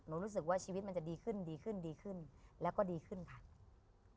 หนูรู้สึกว่าชีวิตมันจะดีขึ้นแล้วก็ดีขึ้นผ่าน